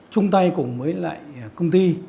trung tay cùng với lại công ty